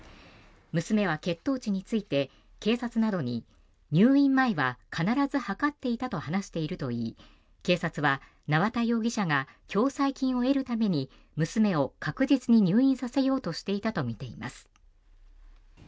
娘は血糖値について、警察などに入院前は必ず測っていたと話しているといい警察は縄田容疑者が共済金を得るために娘を確実に入院させようとしていたとみています。